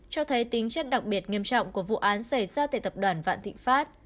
cho thấy tính chất đặc biệt nghiêm trọng của vụ án xảy ra tại tập đoàn vạn thịnh pháp